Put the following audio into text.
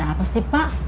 ada apa sih pak